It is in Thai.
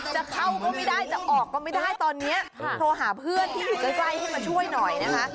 จะเข้าก็ไม่ได้จะออกก็ไม่ได้ตอนนี้โทรหาเพื่อนที่อยู่ใกล้ให้มาช่วยหน่อยนะคะ